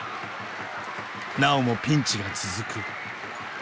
なおもピンチが続く。